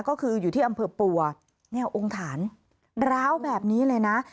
ก็คืออยู่ที่อำเภอปัวเนี่ยองค์ฐานร้าวแบบนี้เลยนะ